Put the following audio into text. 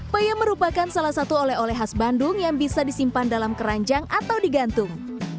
peyem merupakan salah satu oleh oleh khas bandung yang bisa disimpan dalam keranjang atau digantung